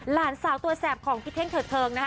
หลานสาวตัวแสบของพี่เท่งเถิดเทิงนะคะ